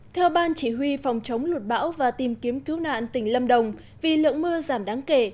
theo ban chỉ huy phòng chống lụt bão và tìm kiếm cứu nạn tỉnh lâm đồng vì lượng mưa giảm đáng kể